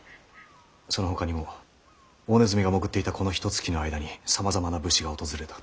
そのほかにも大鼠が潜っていたこのひとつきの間にさまざまな武士が訪れたと。